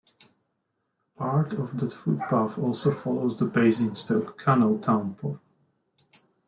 Part of the footpath also follows the Basingstoke Canal towpath.